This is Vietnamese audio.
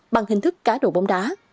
bằng hình thức cá đổ bóng đá